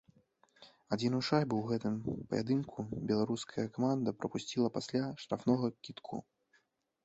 Адзіную шайбу ў гэтым паядынку беларуская каманда прапусціла пасля штрафнога кідку.